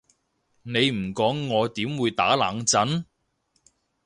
你唔講我點打冷震？